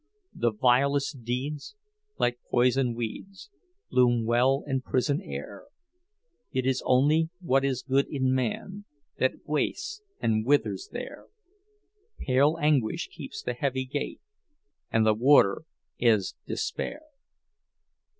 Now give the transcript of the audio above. The vilest deeds, like poison weeds, Bloom well in prison air; It is only what is good in Man That wastes and withers there; Pale Anguish keeps the heavy gate, And the Warder is Despair.